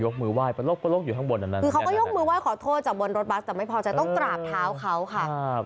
เค้าก็ยกมือไหว้ขอโทษจากบนรถบัสแต่ไม่พอใจต้องกราบเท้าเขาค่ะ